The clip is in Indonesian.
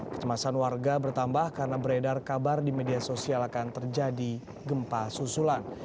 kecemasan warga bertambah karena beredar kabar di media sosial akan terjadi gempa susulan